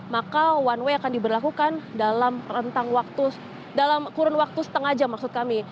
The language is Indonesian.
maka one way akan diberlakukan dalam kurun waktu setengah jam maksud kami